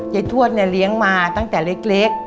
เย็ดทวดเลี้ยงมาตั้งแต่เล็ก